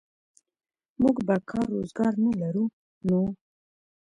موږ به کار روزګار نه لرو نو.